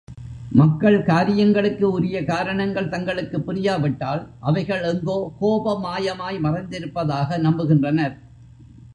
மக்கள் காரியங்களுக்கு உரிய காரணங்கள் தங்களுக்குப் புரியாவிட்டால், அவைகள் எங்கோ கோபமாயமாய் மறைந்திருப்பதாக நம்புகின்றனர்.